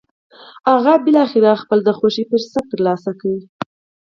هغه بالاخره خپل د خوښې فرصت تر لاسه کړ.